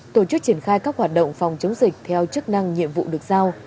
tổ chức triển khai các hoạt động phòng chống dịch theo chức năng nhiệm vụ được giao